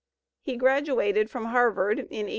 He graduated from Harvard in 1838.